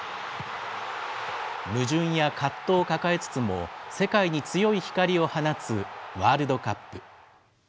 矛盾や葛藤を抱えつつも、世界に強い光を放つワールドカップ。